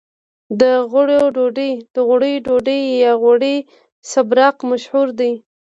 د غوړیو ډوډۍ یا غوړي بسراق مشهور دي.